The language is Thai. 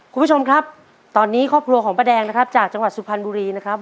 คุณผู้ชมครับตอนนี้ครอบครัวของป้าแดงนะครับจากจังหวัดสุพรรณบุรีนะครับ